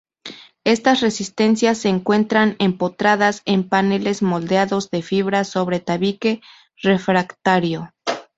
Estas resistencias se encuentran empotradas en paneles moldeados de fibra sobre tabique refractario.